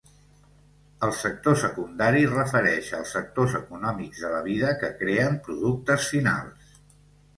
El sector secundari refereix als sectors econòmics de la vida que creen productes finals.